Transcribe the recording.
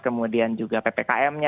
kemudian juga ppkm nya